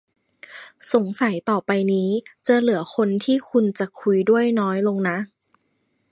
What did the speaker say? สงสัยต่อไปนี้ จะเหลือคนที่คุณจะคุยด้วยน้อยลงนะ